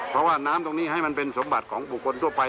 เพราะว่าน้ำตรงนี้ให้มันเป็นสมบัติของบุคคลทั่วไป